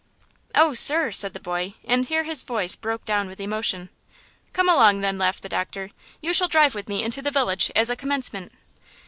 "Oh, sir," said the boy, and here his voice broke down with emotion. "Come along, then," laughed the doctor; "You shall drive with me into the village as a commencement."